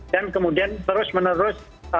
dan kemudian terus menerus